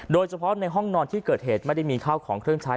โดยเฉพาะในห้องนอนที่เกิดเหตุไม่ได้มีข้าวของเครื่องใช้